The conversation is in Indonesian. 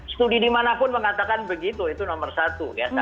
studi dimanapun mengatakan begitu itu nomor satu ya